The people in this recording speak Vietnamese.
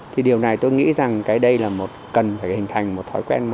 thì điều này tôi nghĩ rằng cái đây là một cần phải hình thành một thói quen